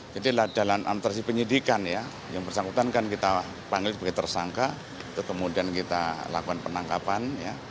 jadi dalam antresi penyidikan yang bersangkutan kan kita panggil sebagai tersangka kemudian kita lakukan penangkapan